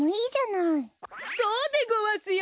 そうでごわすよ。